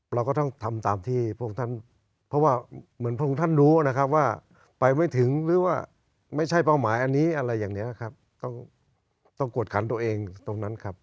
เราก็ต้องทำตามที่พวกเขาเพราะที่ท่านรู้นะครับว่าไปไม่ถึงหรือว่าไม่ใช่เป้าหมายต้องกรวดขันตัวเองครับ